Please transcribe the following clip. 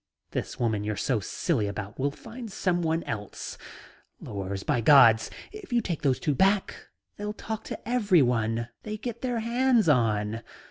This woman you're so silly about will find someone else. Lors, by the gods, if you take those two back they'll talk to everyone they can get their hands on..."